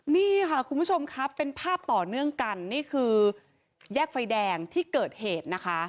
นี่ค่ะคุณผู้ชมครับเป็นภาพต่อเนื่องกันนี่คือแยกไฟแดงที่เกิดเหตุนะคะ